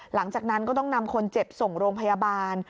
หลังจากนั้นก็ต้องนำคนเจ็บส่งโรงพยาบาล